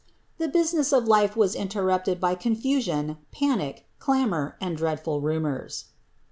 ^* The business of life was intemiptpd by confusion, panic, clamour, and dreadful rumours.